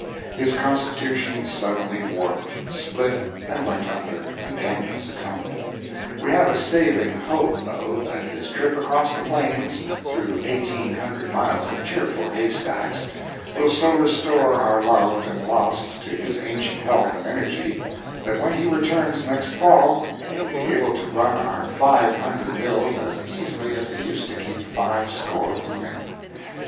His constitution suddenly warped, split and went under, and Daniel succumbed. We have a saving hope, though, that his trip across the Plains, through eighteen hundred miles of cheerful hay stacks, will so restore our loved and lost to his ancient health and energy, that when he returns next fall he will be able to run our five hundred mills as easily as he used to keep five score moving.